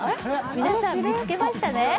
皆さん、見つけましたね？